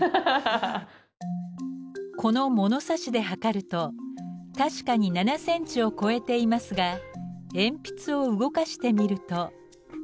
この物差しで測ると確かに７センチを超えていますが鉛筆を動かしてみると。